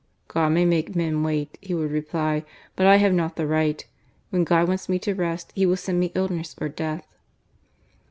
" God may make men wait," he would reply, " but I have not the right. When God wants me to rest, He will send me illness or death."